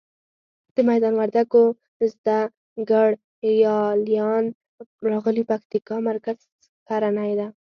د میدان وردګو زده ګړالیان راغلي پکتیکا مرکز ښرنی ته.